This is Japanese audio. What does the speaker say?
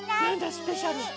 スペシャル！